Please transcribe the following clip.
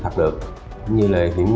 tôi đã cho em nhses